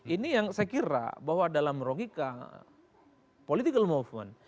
ini yang saya kira bahwa dalam rogika political movement